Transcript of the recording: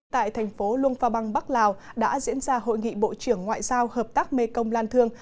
tại thành phố luông pha băng bắc lào đã diễn ra hội nghị bộ trưởng ngoại giao hợp tác mê công lan thương